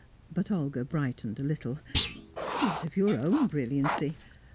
But Olga brightened a little. "What of your own brilliancy?